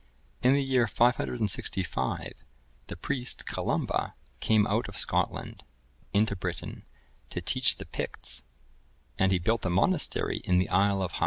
In the year 565, the priest, Columba, came out of Scotland,(1035) into Britain, to teach the Picts, and he built a monastery in the isle of Hii.